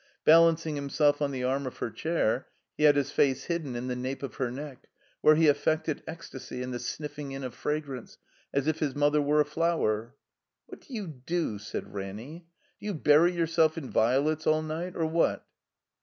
Balancing himself on the arm of her chair, he had his face hidden in the nape of her neck, where he affected ecstasy and the sniffing in of fragrance, as if his mother were a flower. •'What do you dot" said Ranny. "Do you bury yourself in violets all night, or what?"